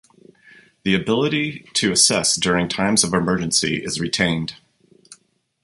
The ability to assist during times of emergency is retained.